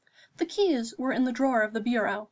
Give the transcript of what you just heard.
The keys were in the drawer of the bureau.